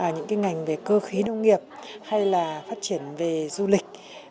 những cái ngành về cơ khí nông nghiệp hay là phát triển về du lịch